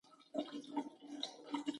اله اله راځه چې د غوږ د دوا وخت دی.